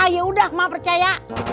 yaudah mak percaya